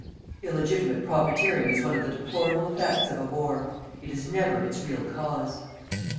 Illegitimate "profiteering" is one of the deplorable effects of a war; it is never its real cause.